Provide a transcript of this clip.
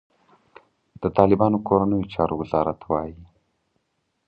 د طالبانو کورنیو چارو وزارت وايي،